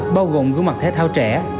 bao gồm gương mặt thể thao trẻ